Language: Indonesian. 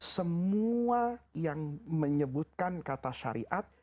semua yang menyebutkan kata syariat